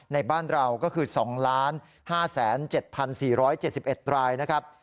ในบ้านเราก็คือ๒๕๗๔๗๑รายนะครับ